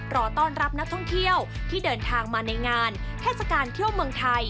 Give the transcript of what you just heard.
รอต้อนรับนักท่องเที่ยวที่เดินทางมาในงานเทศกาลเที่ยวเมืองไทย